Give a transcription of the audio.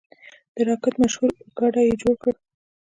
د راکټ مشهور اورګاډی یې جوړ کړ.